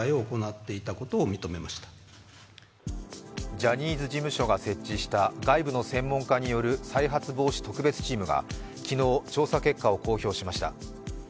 ジャニーズ事務所が設置した外部の専門家による再発防止特別チームが昨日、調査結果を公表しました。